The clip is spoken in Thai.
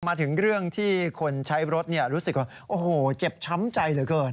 มาถึงเรื่องที่คนใช้รถรู้สึกว่าโอ้โหเจ็บช้ำใจเหลือเกิน